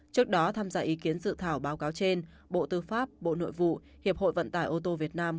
trước đó tham gia ý kiến dự thảo báo cáo trên bộ tư pháp bộ nội vụ hiệp hội vận tải ô tô việt nam